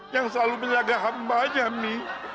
yang selalu menjaga hamba aja nih